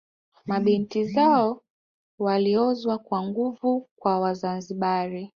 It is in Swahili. Mabinti zao waliozwa kwa nguvu kwa Wazanzibari